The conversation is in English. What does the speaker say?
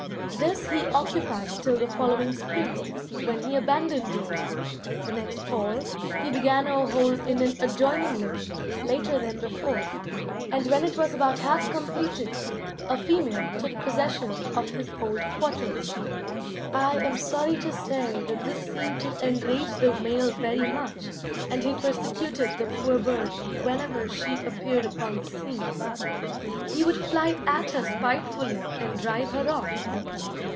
This he occupied till the following spring, when he abandoned it. The next fall he began a hole in an adjoining limb, later than before, and when it was about half completed a female took possession of his old quarters. I am sorry to say that this seemed to enrage the male very much, and he persecuted the poor bird whenever she appeared upon the scene. He would fly at her spitefully and drive her off.